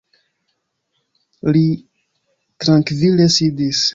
Li trankvile sidis.